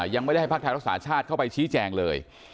ยังไม่ได้ให้ภาคไทยรักษาชาติเข้าไปชี้แจงเลย